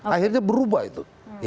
akhirnya berubah itu